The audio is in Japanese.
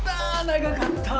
長かった！